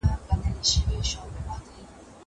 خو پر موږ به لکه کال وو